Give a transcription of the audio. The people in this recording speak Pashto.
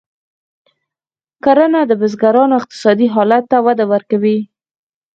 کرنه د بزګرانو اقتصادي حالت ته وده ورکوي.